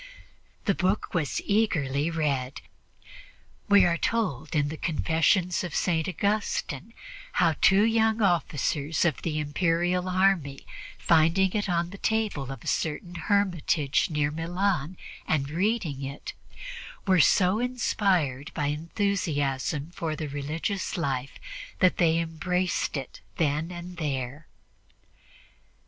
The book was eagerly read; we are told in the Confessions of St. Augustine how two young officers of the Imperial army, finding it on the table of a certain hermitage near Milan and reading it, were so inspired by enthusiasm for the religious life that they embraced it then and there.